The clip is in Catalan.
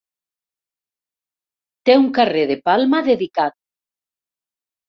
Té un carrer de Palma dedicat.